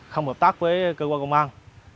không hợp tác với cơ quan công an